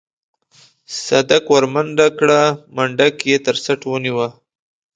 صدک ورمنډه کړه منډک يې تر څټ ونيوه.